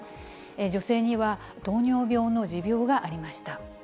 女性には、糖尿病の持病がありました。